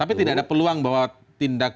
tapi tidak ada peluang bahwa tindak